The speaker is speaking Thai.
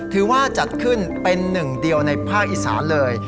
ถือว่าจัดขึ้นเป็นหนึ่งเดียวในภาคอีสานเลย